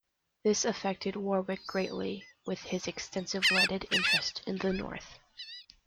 This affected Warwick greatly, with his extensive landed interest in the north.